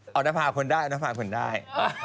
เอานภาคนได้เอานภาคนได้